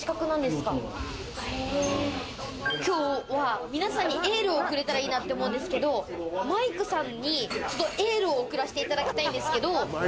今日は皆さんにエールを送れたらいいなと思うんですけど、マイクさんにエールを送らせていただきたいんですけど。